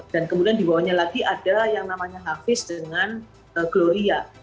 dan kemudian dibawahnya lagi ada yang namanya hafiz dengan gloria